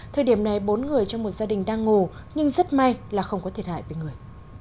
thời điểm này bốn người trong một gia đình đang ngủ nhưng rất may là không có thiệt hại về người